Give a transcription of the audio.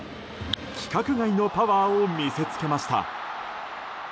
規格外のパワーを見せつけました。